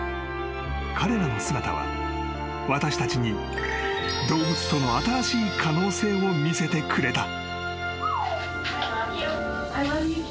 ［彼らの姿は私たちに動物との新しい可能性を見せてくれた］